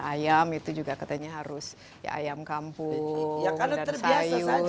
ayam itu juga katanya harus ayam kampung dan sayur